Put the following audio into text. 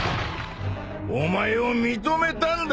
お前を認めたんだ。